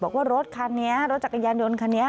บอกว่ารถคันนี้รถจักรยานยนต์คันนี้